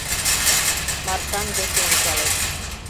Маршан веке ончалеш.